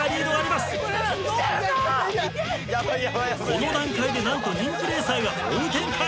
この段階でなんと人気レーサーが追う展開。